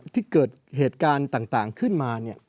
ที่เกิดเหตุการณ์ต่างขึ้นมา